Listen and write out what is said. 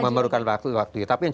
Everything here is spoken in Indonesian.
memerlukan waktu waktu tapi yang